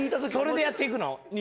それでやっていくの？